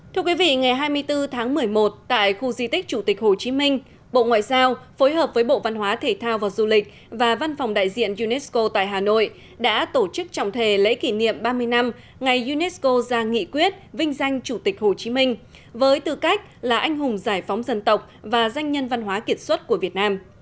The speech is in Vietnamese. thưa quý vị ngày hai mươi bốn tháng một mươi một tại khu di tích chủ tịch hồ chí minh bộ ngoại giao phối hợp với bộ văn hóa thể thao và du lịch và văn phòng đại diện unesco tại hà nội đã tổ chức trọng thề lễ kỷ niệm ba mươi năm ngày unesco ra nghị quyết vinh danh chủ tịch hồ chí minh với tư cách là anh hùng giải phóng dân tộc và danh nhân văn hóa kiệt xuất của việt nam